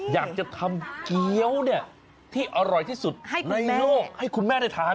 อยากจะทำเกี้ยวเนี่ยที่อร่อยที่สุดในโลกให้คุณแม่ได้ทาน